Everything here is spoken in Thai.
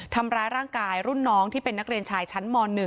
ทำร้ายร่างกายรุ่นน้องที่เป็นนักเรียนชายชั้นม๑